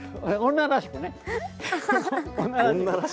女らしく。